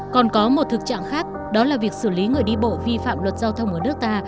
còn có một thực trạng khác đó là việc xử lý người đi bộ vi phạm luật giao thông ở nước ta